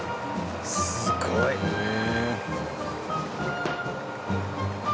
すごい！へえ。